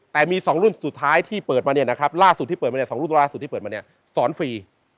แต่มีสองรุ่นสุดท้ายที่เปิดมาเนี่ยนะครับล่าสุดที่เปิดมาเนี่ยสอนฟรี